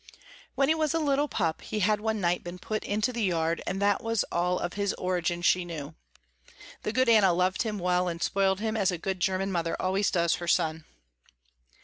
When he was a little pup he had one night been put into the yard and that was all of his origin she knew. The good Anna loved him well and spoiled him as a good german mother always does her son.